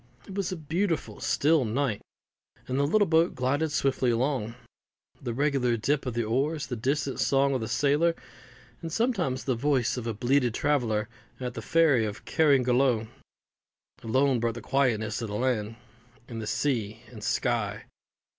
It was a beautiful still night, and the little boat glided swiftly along. The regular dip of the oars, the distant song of the sailor, and sometimes the voice of a belated traveller at the ferry of Carrigaloe, alone broke the quietness of the land and sea and sky.